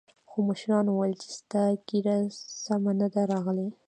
خو مشرانو ويل چې ستا ږيره سمه نه ده راغلې.